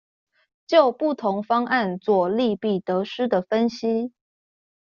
就不同方案作利弊得失的分析